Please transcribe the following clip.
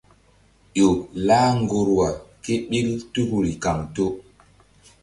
Ƴo lah ŋgorwa kéɓil tukuri kaŋto.